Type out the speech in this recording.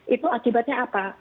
itu akibatnya apa